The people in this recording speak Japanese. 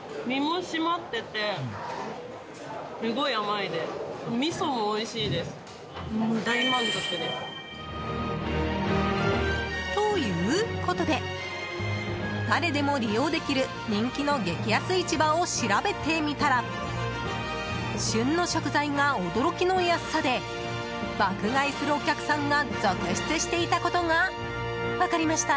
いかがですか？ということで誰でも利用できる人気の激安市場を調べてみたら旬の食材が驚きの安さで爆買いするお客さんが続出していたことが分かりました。